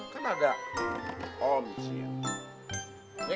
kan ada om jin